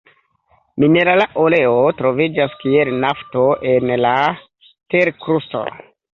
Minerala oleo troviĝas kiel nafto en la terkrusto.